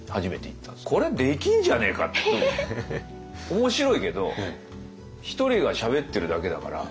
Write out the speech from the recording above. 面白いけど１人がしゃべってるだけだから。